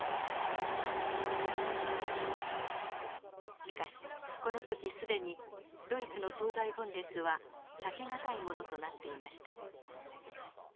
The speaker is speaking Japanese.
しかしこの時既にドイツの東西分裂は避け難いものとなっていました。